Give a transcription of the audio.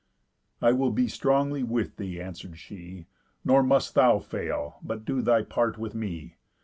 "I will be strongly with thee," answer'd she, "Nor must thou fail, but do thy part with me.